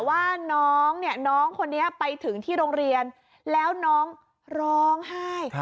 ว่าน้องเนี่ยน้องคนนี้ไปถึงที่โรงเรียนแล้วน้องร้องไห้